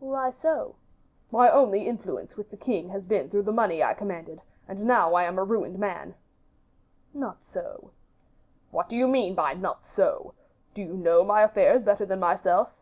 "Why so?" "My only influence with the king has been through the money I commanded, and now I am a ruined man." "Not so." "What do you mean by 'not so?' Do you know my affairs better than myself?"